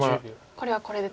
これはこれでと。